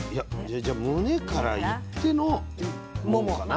じゃあむねからいってのももかな。